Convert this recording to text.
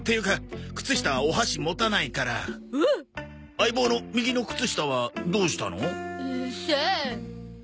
相棒の右の靴下はどうしたの？さあ？